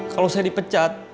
kalau saya dipecat